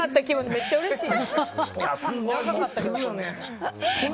めっちゃうれしい。